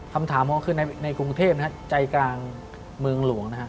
คำถามก็คือในกรุงเทพฯใจกลางเมืองหลวง